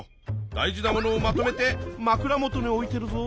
大事なものをまとめてまくら元に置いてるぞ。